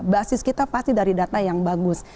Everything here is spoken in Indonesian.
basis kita pasti dari data yang bagus